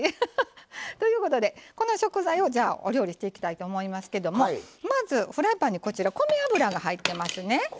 ということでこの食材をお料理していきたいと思いますけどもまずフライパンにこちら米油が入ってますね。